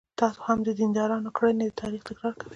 نن هم د دیندارانو کړنې د تاریخ تکرار کوي.